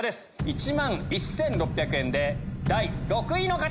１万１６００円で第６位の方！